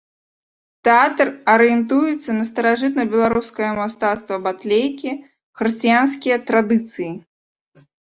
Тэатр арыентуецца на старажытнабеларускае мастацтва батлейкі, хрысціянскія традыцыі.